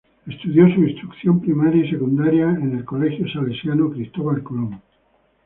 Estudió su instrucción primaria y secundaria en el Colegio Salesiano Cristóbal Colón.